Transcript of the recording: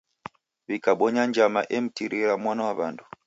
Wikabonya njama emtirira mwana wa w'andu.